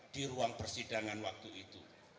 di ruang persidangan waktu itu